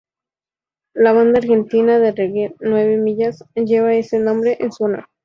La banda argentina de reggae Nueve Millas, lleva ese nombre en su honor.